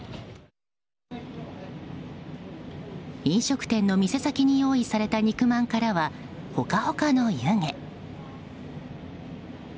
飲食店の店先に用意された肉まんからはホカホカの湯気。